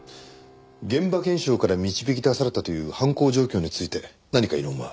現場検証から導き出されたという犯行状況について何か異論は？